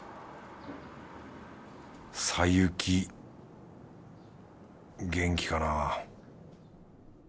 小雪元気かな